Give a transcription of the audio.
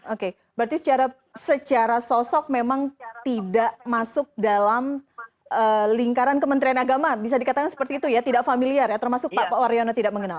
oke berarti secara sosok memang tidak masuk dalam lingkaran kementerian agama bisa dikatakan seperti itu ya tidak familiar ya termasuk pak waryono tidak mengenal